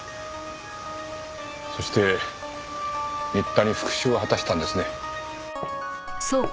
そして新田に復讐を果たしたんですね。